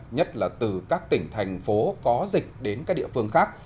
nhất là từ các tỉnh thành phố có dịch đến các địa phương khác